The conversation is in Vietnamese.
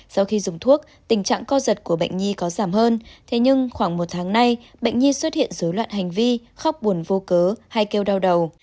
sau khi dùng thuốc tình trạng co giật của bệnh nhi có giảm hơn thế nhưng khoảng một tháng nay bệnh nhi xuất hiện dối loạn hành vi khóc buồn vô cớ hay kêu đau đầu